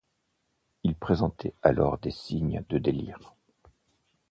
Il présentait alors des signes de délire.